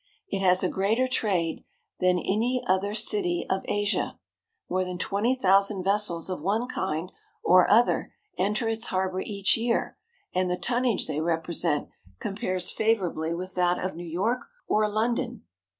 It has a greater trade than that of any other city of Asia. More than twenty thousand vessels of one kind or other enter its harbor each year, and the tonnage they represent com pares favorably with that of New York or London.